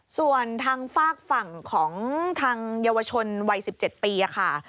ส่วนทางฝากฝั่งของทางเยาวชนวัย๑๗ปีค่ะ